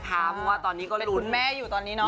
เพราะว่าตอนนี้ก็คุณแม่อยู่ตอนนี้เนาะ